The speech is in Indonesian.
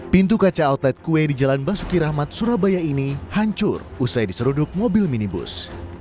pintu kaca outlet kue di jalan basuki rahmat surabaya ini hancur usai diseruduk mobil minibus